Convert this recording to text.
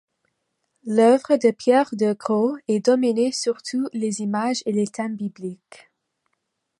L’œuvre de Pierre de Grauw est dominée surtout les images et les thèmes bibliques.